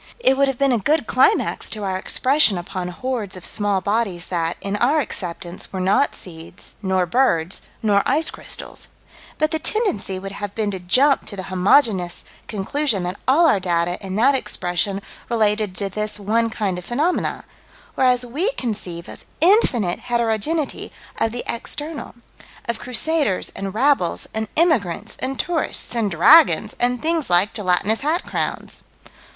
It would have been a good climax to our expression upon hordes of small bodies that, in our acceptance, were not seeds, nor birds, nor ice crystals: but the tendency would have been to jump to the homogeneous conclusion that all our data in that expression related to this one kind of phenomena, whereas we conceive of infinite heterogeneity of the external: of crusaders and rabbles and emigrants and tourists and dragons and things like gelatinous hat crowns.